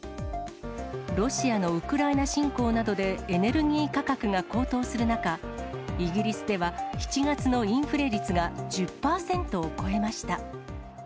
ロシアのウクライナ侵攻などで、エネルギー価格が高騰する中、イギリスでは７月のインフレ率が１０％を超えました。